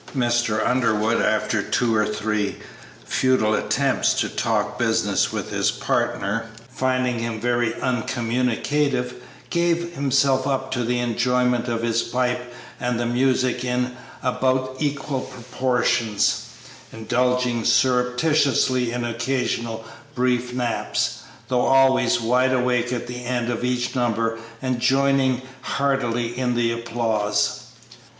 Mr. Underwood, after two or three futile attempts to talk business with his partner, finding him very uncommunicative, gave himself up to the enjoyment of his pipe and the music in about equal proportions, indulging surreptitiously in occasional brief naps, though always wide awake at the end of each number and joining heartily in the applause.